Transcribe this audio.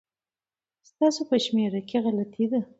ستاسو په شمېره کي غلطي ده